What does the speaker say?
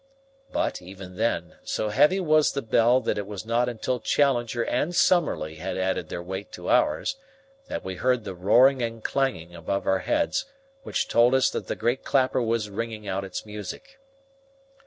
But, even then, so heavy was the bell that it was not until Challenger and Summerlee had added their weight to ours that we heard the roaring and clanging above our heads which told us that the great clapper was ringing out its music.